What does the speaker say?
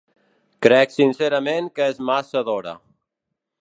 Crec sincerament que és massa d’hora.